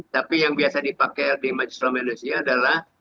tapi yang biasa dipakai lb majelis ulama indonesia adalah